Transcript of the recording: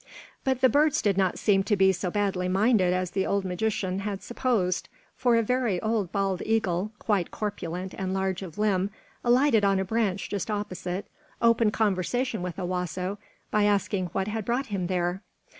But the birds did not seem to be so badly minded as the old magician had supposed; for a very old bald eagle, quite corpulent and large of limb, alighted on a branch just opposite, opened conversation with Owasso by asking what had brought him there.